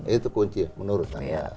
itu kunci menurut saya